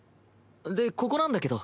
でここなんだけど。